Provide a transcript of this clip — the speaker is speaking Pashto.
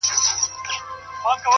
څوك به واچوي سندرو ته نومونه،